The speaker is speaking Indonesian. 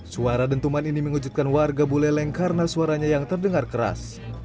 suara dentuman ini mengejutkan warga buleleng karena suaranya yang terdengar keras